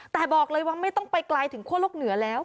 แต่บอกเลยว่าไม่ต้องไปไกลถึงคั่วโลกเหนือแล้ว